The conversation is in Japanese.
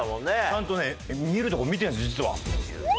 ちゃんとね見るとこ見てるんです実は。